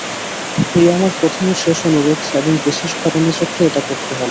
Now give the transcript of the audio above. এই আমার প্রথম ও শেষ অনুরোধ এবং বিশেষ ঘটনাচক্রে এটা করতে হল।